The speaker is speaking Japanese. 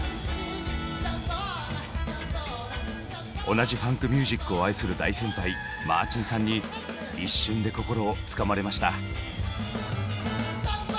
同じファンクミュージックを愛する大先輩・マーチンさんに一瞬で心をつかまれました。